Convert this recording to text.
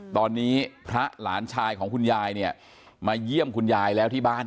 ตอนนี้พระหลานชายของคุณยายเนี่ยมาเยี่ยมคุณยายแล้วที่บ้าน